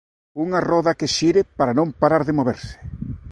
Unha roda que xire para non parar de moverse.